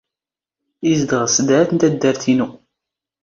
ⵉⵣⴷⵖ ⵙⴷⴰⵜ ⵏ ⵜⴰⴷⴷⴰⵔⵜ ⵉⵏⵓ.